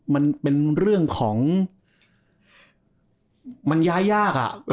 มันเป็นเรื่องของมันย้ายยาก